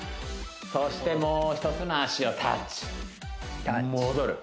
そしてもう一つの足をタッチ戻る